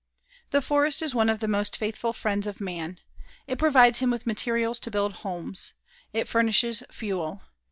The forest is one of the most faithful friends of man. It provides him with materials to build homes. It furnishes fuel.